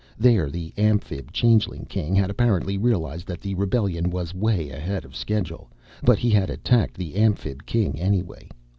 There the Amphib changeling King had apparently realized that the rebellion was way ahead of schedule, but he had attacked the Amphib King anyway.